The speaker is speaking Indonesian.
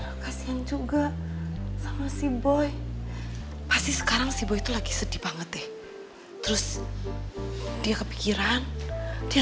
aduh kasihan juga sama si boy pasti sekarang si boy lagi sedih banget deh terus dia kepikiran dia